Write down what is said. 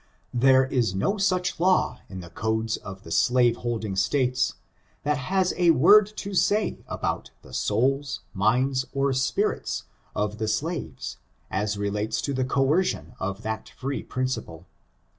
There is no such law in the codes of the slave holding states, that has a word to say about the souls^ minds or spirits of the slaves, as relates to the coer sion of that free principle.